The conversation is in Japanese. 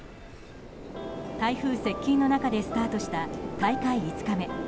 台風接近の中でスタートした大会５日目。